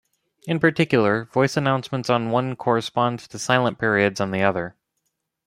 In particular, voice announcements on one correspond to silent periods on the other.